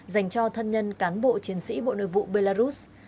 dành cho thân nhân cán bộ chiến sĩ bộ nội vụ belarus